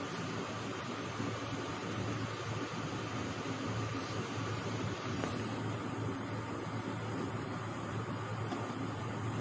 สวัสดีครับสวัสดีครับ